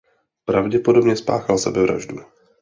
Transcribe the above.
Pravděpodobně spáchal sebevraždu.